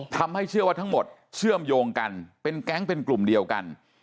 ทำให้เชื่อว่าทั้งหมดเชื่อมโยงกันเป็นแก๊งเป็นกลุ่มเดียวกัน